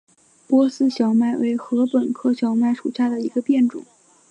波斯小麦为禾本科小麦属下的一个变种。